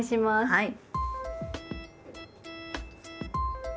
はい。